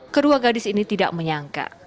kedua gadis ini tidak menyangka